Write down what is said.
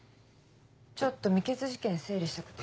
ちょっと未決事件整理したくて。